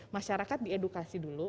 masyarakat diedukasi dulu